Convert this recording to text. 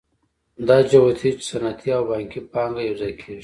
دا جوتېږي چې صنعتي او بانکي پانګه یوځای کېږي